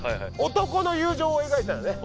男の友情を描いたんやね。